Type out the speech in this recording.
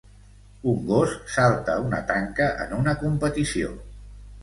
Un gos salta una tanca en una competició.